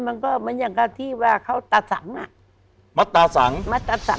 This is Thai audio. มันก็เหมือนอย่างกับที่ว่าเขาตาสังอ่ะมัตตาสังมัตตาสัง